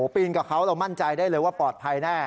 ปีนกับเขาเรามั่นใจได้เลยว่าปลอดภัยแน่